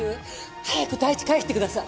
早く太一を返してください！